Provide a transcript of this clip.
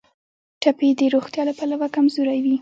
ټپي د روغتیا له پلوه کمزوری وي.